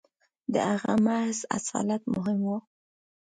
• د هغه محض اصالت مهم و.